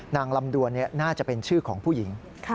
ลำดวนน่าจะเป็นชื่อของผู้หญิง